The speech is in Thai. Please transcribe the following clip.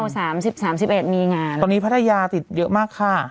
สามสิบสามสิบเอ็ดมีงานตอนนี้พัทยาติดเยอะมากค่ะ